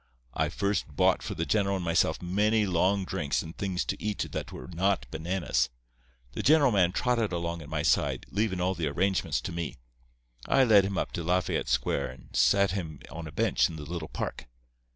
I first bought for the general and myself many long drinks and things to eat that were not bananas. The general man trotted along at my side, leavin' all the arrangements to me. I led him up to Lafayette Square and set him on a bench in the little park.